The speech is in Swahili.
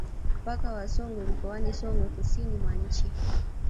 Mpaka wa Songwe mkoani Songwe kusini mwa nchi